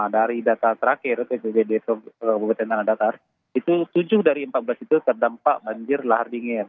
dari data terakhir bpbd kabupaten tanah datar itu tujuh dari empat belas itu terdampak banjir lahar dingin